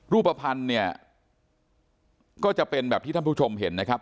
รูปภัณฑ์เนี่ยก็จะเป็นแบบที่ท่านผู้ชมเห็นนะครับ